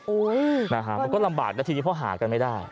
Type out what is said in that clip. โอ๊ยมันก็ลำบากแต่ทีนี้พ่อหากันไม่ได้